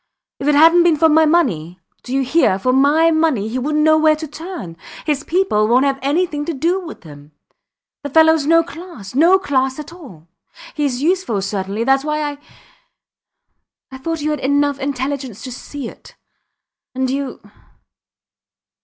... If it hadnt been for my money ... do you hear? ... for my money, he wouldnt know where to turn. His people wont have anything to do with him. The fellows no class no class at all. Hes useful, certainly, thats why I ... I thought you had enough intelligence to see it. ... And you ... No!